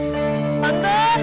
gampang ya rumahnya